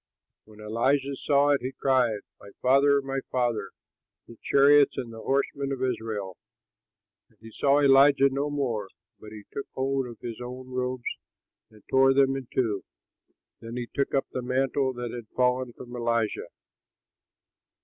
When Elisha saw it, he cried, "My father, my father! the chariots and the horsemen of Israel!" And he saw Elijah no more, but he took hold of his own robes and tore them in two. Then he took up the mantle that had fallen from Elijah.